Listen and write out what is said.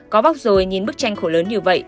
có bóc rồi nhìn bức tranh khổ lớn như vậy